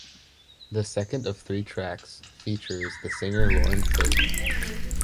The second of the three tracks features the singer Lauren Faith.